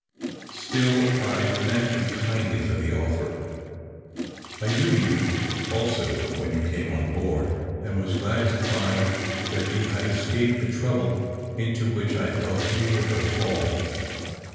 Still, I thank you kindly for the offer. I knew you also when you came on board, and was glad to find that you had escaped the trouble into which I thought you would have fallen."